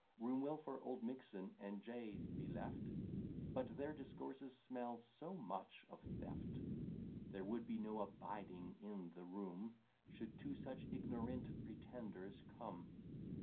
Room will for Oldmixon and J s be left: But their discourses smell so much of theft, There would be no abiding in the room, Should two such ignorant pretenders come.